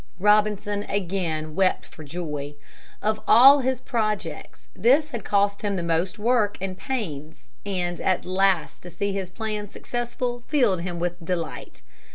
Robinson again wept for joy. Of all his projects this had cost him the most work and pains and at last to see his plans successful filled him with delight.